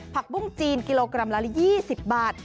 ปุ้งจีนกิโลกรัมละ๒๐บาท